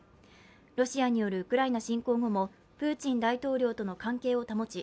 ロシアによるウクライナ侵攻後もプーチン大統領との関係を保ち